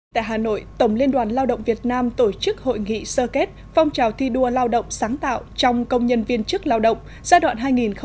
tại hà nội tổng liên đoàn lao động việt nam tổ chức hội nghị sơ kết phong trào thi đua lao động sáng tạo trong công nhân viên chức lao động giai đoạn hai nghìn một mươi sáu hai nghìn hai mươi